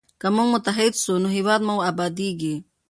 که موږ متحد سو نو هیواد مو ابادیږي.